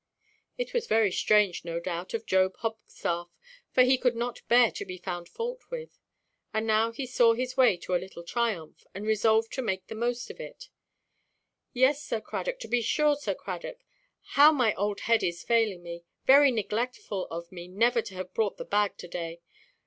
It was very strange, no doubt, of Job Hogstaff, but he could not bear to be found fault with; and now he saw his way to a little triumph, and resolved to make the most of it. "Yes, Sir Cradock; to be sure, Sir Cradock; how my old head is failing me! Very neglectful of me never to have brought the bag to–day."